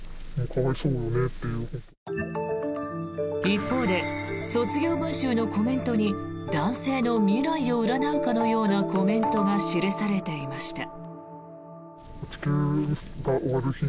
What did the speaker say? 一方で卒業文集のコメントに男性の未来を占うかのようなコメントが記されていました。